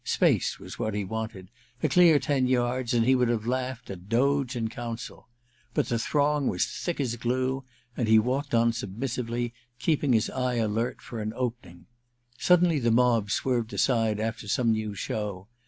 Space was what he wanted : a clear ten yards, and he would have laughed at Doge and Council. But the throng was thick as glue, and he walked on submissively, keeping his eye alert for an 326 A VENETIAN NIGHT i opening. Suddenly the mob swerved aside after some new show.